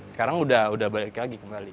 sekarang udah balik lagi kembali